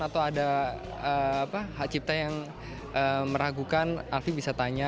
atau ada hak cipta yang meragukan alfie bisa tanya